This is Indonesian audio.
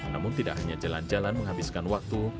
namun tidak hanya jalan jalan menghabiskan waktu